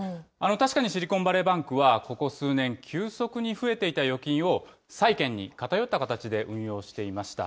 確かにシリコンバレーバンクはここ数年、急速に増えていた預金を、債券に偏った形で運用していました。